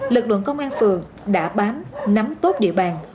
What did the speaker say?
lực lượng công an phường đã bám nắm tốt địa bàn